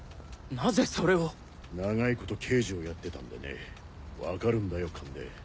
なぜそれを⁉長いこと刑事をやってたんでね分かるんだよ勘で。